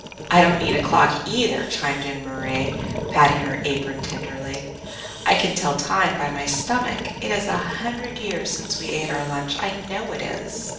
"I don't need a clock either," chimed in Marie, patting her apron tenderly; "I can tell time by my stomach. It's a hundred years since we ate our lunch; I know it is."